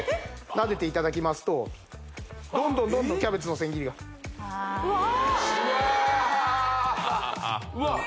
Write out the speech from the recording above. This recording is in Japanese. なでていただきますとどんどんどんどんキャベツの千切りがうわうわっ